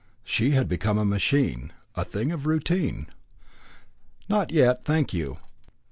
She had become a machine, a thing of routine. "Not yet, thank you.